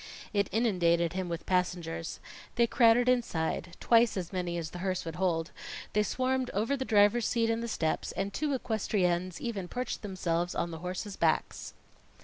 It inundated him with passengers. They crowded inside twice as many as the hearse would hold they swarmed over the driver's seat and the steps; and two equestriennes even perched themselves on the horses' backs.